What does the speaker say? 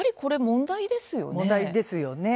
問題ですよね。